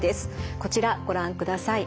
こちらご覧ください。